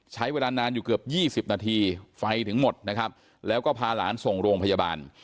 ใช้เวลานานอยู่เกือบ๒๐นาทีไฟถึงหมดนะครับแล้วก็พาหลานส่งโรงพยาบาล